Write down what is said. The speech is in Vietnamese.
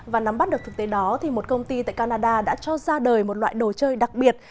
và nắm bắt được thực tế đó một công ty tại canada đã cho ra đời một loại đồ chơi đặc biệt